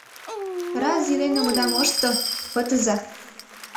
Раз илен огыда мошто — пытыза!